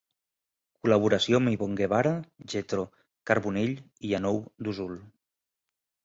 Col·laboració amb Ivonne Guevara, Jethro Carbonell i Yanou Dozol.